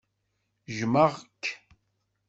Jmeɣ-k.